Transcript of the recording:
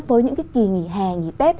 với những cái kỳ nghỉ hè nghỉ tết